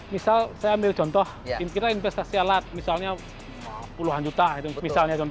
misal saya ambil contoh kita investasi alat misalnya puluhan juta gitu misalnya